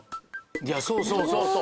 いやそうそうそうそう。